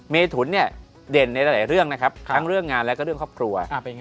เมถุนเนี่ยเด่นในหลายเรื่องนะครับทั้งเรื่องงานและก็เรื่องครอบครัว